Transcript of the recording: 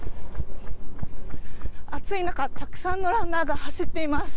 暑い中、たくさんのランナーが走っています。